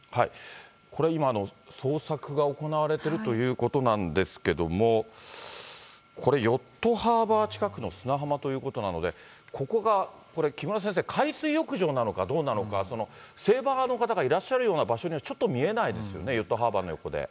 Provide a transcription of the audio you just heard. これ、今、捜索が行われてるということなんですけども、これヨットハーバー近くの砂浜ということなので、ここがこれ、木村先生、海水浴場なのかどうなのか、セーバーの方がいらっしゃるような場所にはちょっと見えないですよね、ヨットハーバーの横で。